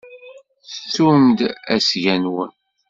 Tettum-d asga-nwen.